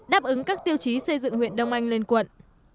đáp ứng các tiêu chí xây dựng huyện đông anh lên quận